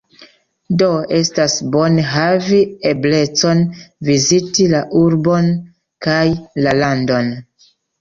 Do, estas bone havi eblecon viziti la urbon kaj la landon.